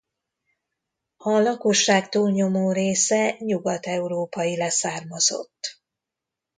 A lakosság túlnyomó része nyugat-európai leszármazott.